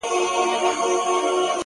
o د خوار ملا په اذان څوک روژه نه ماتوي!